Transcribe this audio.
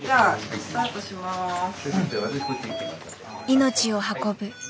命を運ぶ。